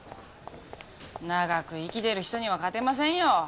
長く生きてる人には勝てませんよ。